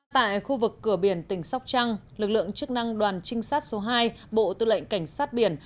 tại khu vực cửa biển tỉnh sóc trăng lực lượng chức năng đoàn trinh sát số hai bộ tư lệnh cảnh sát biển